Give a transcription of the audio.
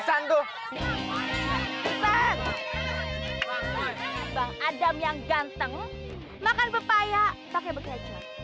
bang adam yang ganteng makan pepaya pakai bekas lecor